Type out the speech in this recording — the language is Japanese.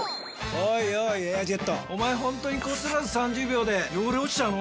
おいおい「エアジェット」おまえホントにこすらず３０秒で汚れ落ちちゃうの？